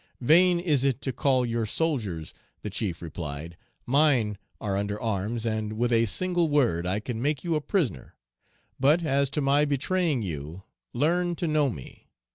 "Vain is it to call your soldiers," the chief replied; "mine are under arms, and with a single word I can make you a prisoner; but, as to my betraying you, learn to know me.